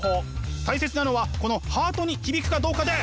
大切なのはこのハートに響くかどうかです！